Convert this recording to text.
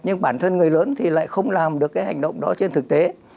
nhưng bản thân người lớn thì lại không làm được cái hành động đó trên thực tế